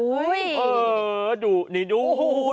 เออดูนี่ดู